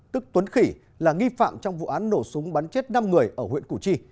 tức tuấn khỉ là nghi phạm trong vụ án nổ súng bắn chết năm người ở huyện củ chi